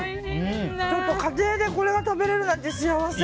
ちょっと家庭でこれが食べられるのは幸せ。